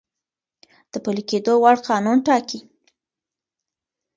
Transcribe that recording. د پلی کیدو وړ قانون ټاکی ،